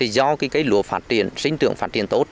do cây lúa phát triển sinh trưởng phát triển tốt